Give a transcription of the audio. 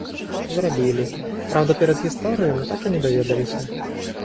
Зрабілі, праўда, перадгісторыю мы так і не даведаліся.